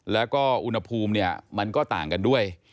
และก็อุณหภูมิมันก็ต่างกันด้วย